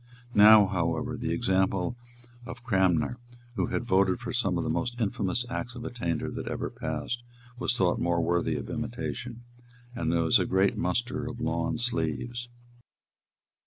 Now, however, the example of Cranmer, who had voted for some of the most infamous acts of attainder that ever passed, was thought more worthy of imitation; and there was a great muster of lawn sleeves.